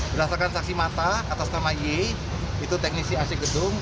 berdasarkan saksi mata kata sama ye itu teknisi ac gedung